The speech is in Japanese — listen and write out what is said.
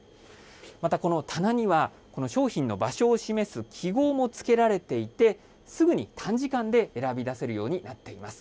またこの棚には、この商品の場所を示す記号も付けられていて、すぐに短時間で選び出せるようになっています。